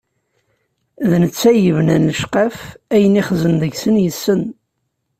D netta i yebnan lecqaf, ayen ixzen deg-sen yessen.